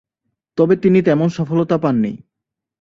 তবে তিনি তেমন সফলতা পাননি।